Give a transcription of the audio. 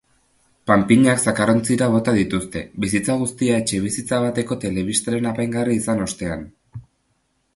Panpinak zakarrontzira bota dituzte, bizitza guztia etxebizitza bateko telebistaren apaingarri izan ostean.